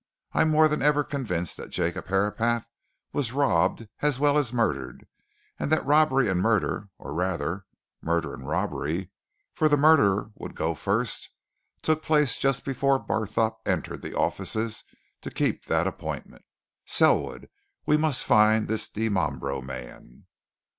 "I'm more than ever convinced that Jacob Herapath was robbed as well as murdered, and that robbery and murder or, rather, murder and robbery, for the murder would go first took place just before Barthorpe entered the offices to keep that appointment. Selwood! we must find this Dimambro man!"